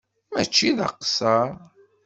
Mačči d aqeṣṣeṛ.